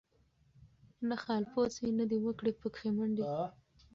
نه خالپوڅي نه دي وکړې پکښی منډي